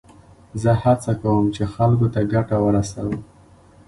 زه هڅه کوم، چي خلکو ته ګټه ورسوم.